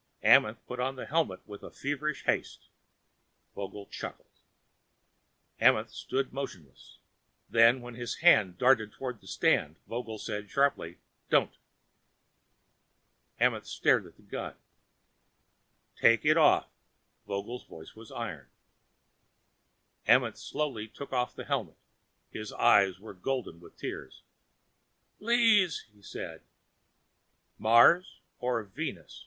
Amenth put on the helmet with a feverish haste. Vogel chuckled. Amenth stood motionless. Then as his hand darted toward a stand, Vogel said sharply, "Don't!" Amenth stared at the gun. "Take it off!" Vogel's voice was iron. Amenth slowly took off the helmet. His eyes were golden with tears. "Please," he said. "Mars or Venus?"